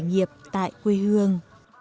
nghiệp tại quê hương